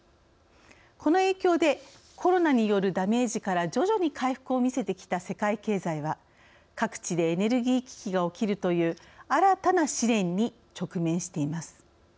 この影響でコロナによるダメージから徐々に回復を見せてきた世界経済は各地でエネルギー危機が起きるという新たな試練に直面しています。